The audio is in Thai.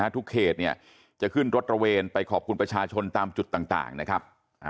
ทุกเขตจะขึ้นรถตระเวนไปขอบคุณประชาชนตามจุดต่างนะครับ